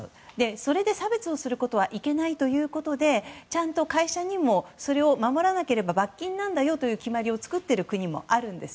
それで差別をすることはいけないということでちゃんと会社にもそれを守らなければ罰金なんだよという決まりを作っている国もあります。